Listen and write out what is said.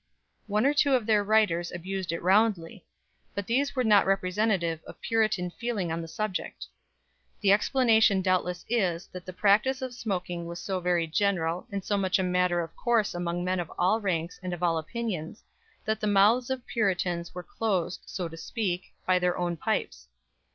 One or two of their writers abused it roundly; but these were not representative of Puritan feeling on the subject. The explanation doubtless is that the practice of smoking was so very general and so much a matter of course among men of all ranks and of all opinions, that the mouths of Puritans were closed, so to speak, by their own pipes.